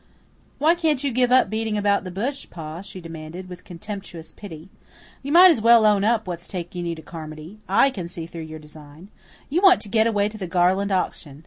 "Why can't you give up beating about the bush, Pa?" she demanded, with contemptuous pity. "You might as well own up what's taking you to Carmody. I can see through your design. You want to get away to the Garland auction.